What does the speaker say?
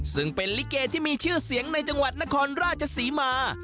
ซึ่งเป็นลิเกที่มีชื่อเสียงในจังหวัดนครราชศรีมา